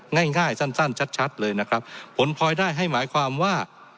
ง่ายง่ายสั้นชัดเลยนะครับผลพลอยได้ให้หมายความว่า